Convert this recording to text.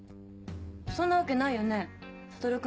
そんなわけないよね悟君